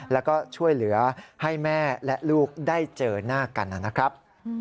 แล้วก็ช่วยเหลือให้แม่และลูกได้เจอหน้ากันนะครับ